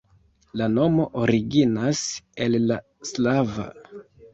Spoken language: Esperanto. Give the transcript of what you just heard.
La nomo originas el la slava.